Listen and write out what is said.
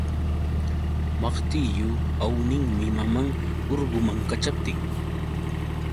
Maqtillu awninmi maman urguman kaćhaptin.